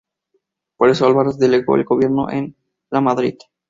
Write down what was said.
Por eso Álvarez delegó el gobierno en Lamadrid.